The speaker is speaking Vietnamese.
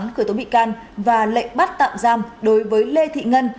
cơ quan cảnh sát điều tra công an và lệnh bắt tạm giam đối với lê thị ngân